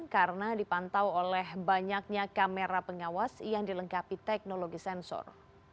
karena dipantau oleh banyaknya kamera pengawas yang dilengkapi teknologi sensor